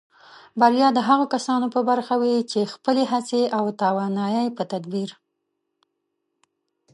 بریا د هغو کسانو په برخه وي چې خپلې هڅې او توانایۍ په تدبیر